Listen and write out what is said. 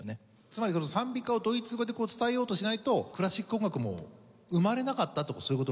つまり讃美歌をドイツ語で伝えようとしないとクラシック音楽も生まれなかったとかそういう事。